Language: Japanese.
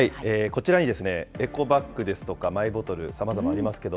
こちらにエコバッグですとか、マイボトル、さまざまありますけ